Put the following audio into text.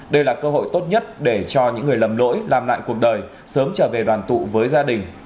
đây là cơ hội tốt nhất để cho những người lầm lỗi làm lại cuộc đời sớm trở về đoàn tụ với gia đình